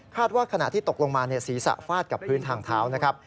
คาดว่าขณะที่ตกลงมาศีรษะฟาดกับพื้นทางเท้า